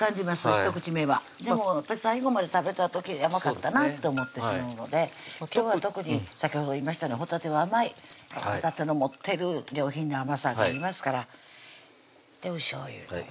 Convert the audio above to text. １口目はでも最後まで食べた時甘かったなって思ってしまうので今日は特に先ほど言いましたようにほたては甘いほたての持ってる上品な甘さがありますからおしょうゆ